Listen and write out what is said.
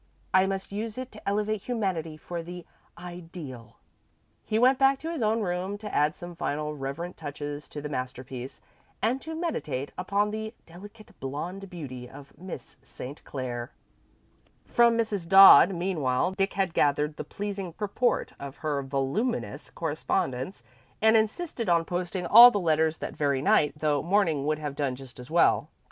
I must use it to elevate humanity to the Ideal." He went back to his own room to add some final reverent touches to the masterpiece, and to meditate upon the delicate blonde beauty of Miss St. Clair. From Mrs. Dodd, meanwhile, Dick had gathered the pleasing purport of her voluminous correspondence, and insisted on posting all the letters that very night, though morning would have done just as well.